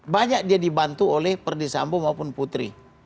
banyak dia dibantu oleh perdis sambo maupun putri